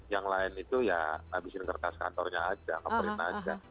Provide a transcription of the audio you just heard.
yang lain itu ya habisin kertas kantornya aja ngeperin aja